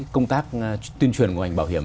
công tác tuyên truyền của ngành bảo hiểm